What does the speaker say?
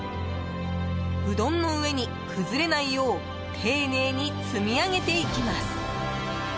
うどんの上に、崩れないよう丁寧に積み上げていきます。